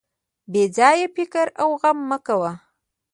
بې ځایه فکر او غم مه کوه.